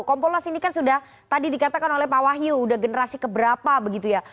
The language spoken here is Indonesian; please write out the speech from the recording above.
kompolnas ini kan sudah tadi dikatakan oleh pak wahyu sudah generasi keberapa begitu ya